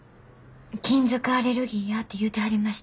金属アレルギーやって言うてはりました。